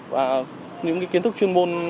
và những kiến thức chuyên môn